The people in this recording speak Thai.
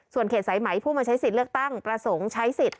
ส่วนเขตสายไหมผู้มาใช้สิทธิ์เลือกตั้งประสงค์ใช้สิทธิ์